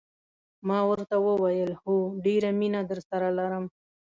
ما ورته وویل: هو، ډېره مینه درسره لرم.